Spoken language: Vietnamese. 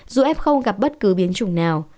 dù f gặp bất cứ biến chủng nào